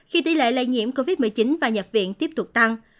khi tỷ lệ lây nhiễm covid một mươi chín và nhập viện tiếp tục tăng